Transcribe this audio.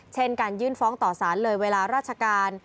เช่นการยื่นฟ้องต่อสารเลยเวลาราชการ